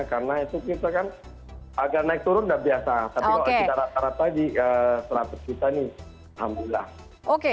karena itu kita kan agak naik turun dan biasa oke tera tera tadi ke rapah kita nih alhamdulillah oke seratus